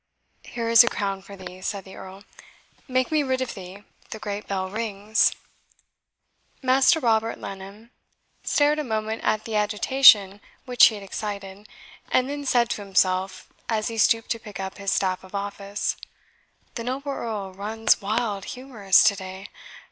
"Here is a crown for thee," said the Earl, "make me rid of thee the great bell rings." Master Robert Laneham stared a moment at the agitation which he had excited, and then said to himself, as he stooped to pick up his staff of office, "The noble Earl runs wild humours to day.